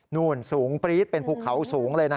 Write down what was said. นู่นสูงปรี๊ดเป็นภูเขาสูงเลย